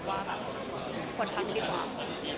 ว่าคนพักรีบมาก